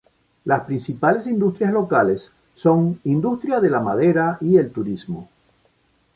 Las principales industrias locales son industria de la madera y el turismo.